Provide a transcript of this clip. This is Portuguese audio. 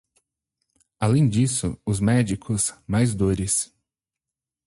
Além disso, os médicos, mais dores.